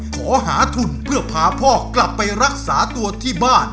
ขอหาทุนเพื่อพาพ่อกลับไปรักษาตัวที่บ้าน